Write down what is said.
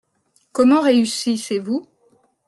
Comment réussissez-vous ?